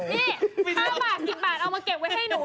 นี่๕บาท๑๐บาทเอามาเก็บไว้ให้หนู